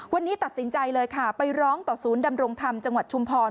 วันนี้ตัดสินใจเลยค่ะไปร้องต่อศูนย์ดำรงธรรมจังหวัดชุมพร